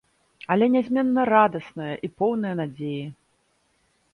Але нязменна радасныя і поўныя надзеі.